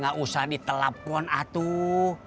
gak usah ditelepon atuh